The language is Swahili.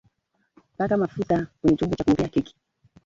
Paka mafuta kwenye chombo cha kuokea keki